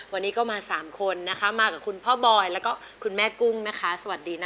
วันนี้ก็มา๓คนนะคะมากับคุณพ่อบอยแล้วก็คุณแม่กุ้งนะคะสวัสดีนะคะ